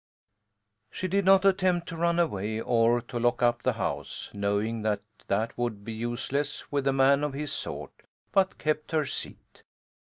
She did not attempt to run away or to lock up the house, knowing that that would be useless with a man of his sort; but kept her seat.